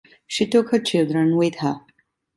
She took her children with her.